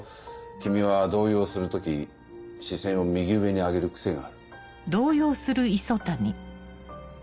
君は動揺する時視線を右上に上げる癖がある。